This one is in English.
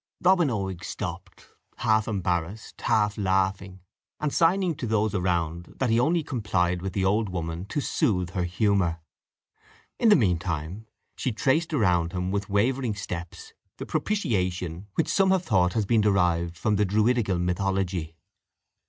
Robin Oig stopped, half embarrassed, half laughing, and signing to those around that he only complied with the old woman to soothe her humour. In the mean time, she traced around him, with wavering steps, the propitiation, which some have thought has been derived from the Druidical mythology.